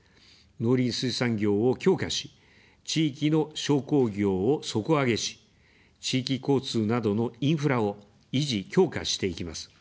農林水産業を強化し、地域の商工業を底上げし、地域交通などのインフラを維持・強化していきます。